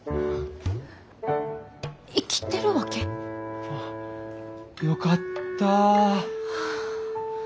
生きてるわけ？あっよかった。